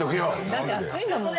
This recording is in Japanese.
だって暑いんだもん。